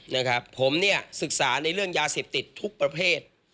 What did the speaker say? นะครับผมเนี่ยศึกษาในเรื่องยาเสพติดทุกประเภท